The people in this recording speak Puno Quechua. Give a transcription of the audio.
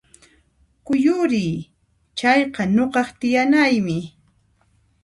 Kuyuriy! Chayqa nuqaq tiyanaymi